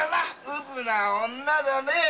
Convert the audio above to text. ウブな女だねぇ。